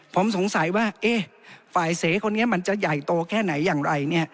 ผมสงสัยว่าฝ่ายเสคนนี้มันจะใหญ่โตแค่ไหนอย่างไร